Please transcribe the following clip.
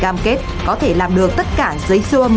cam kết có thể làm được tất cả giấy siêu âm